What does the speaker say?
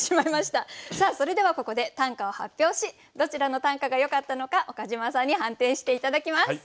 さあそれではここで短歌を発表しどちらの短歌がよかったのか岡島さんに判定して頂きます。